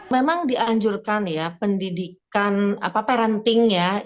memang dianjurkan ya pendidikan parenting ya